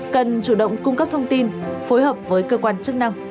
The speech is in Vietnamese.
cần chủ động cung cấp thông tin phối hợp với cơ quan chức năng